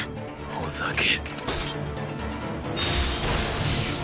ほざけ。